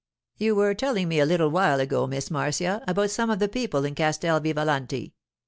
'You were telling me a little while ago, Miss Marcia, about some of the people in Castel Vivalanti.